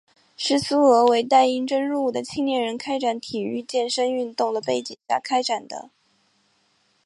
是苏俄为待应征入伍的青年人开展体育健身运动的背景下开展的。